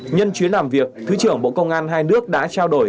nhân chuyến làm việc thứ trưởng bộ công an hai nước đã trao đổi